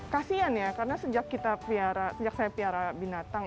kasian ya karena sejak saya piara binatang